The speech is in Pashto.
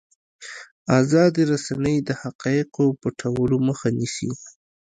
ازادې رسنۍ د حقایقو پټولو مخه نیسي.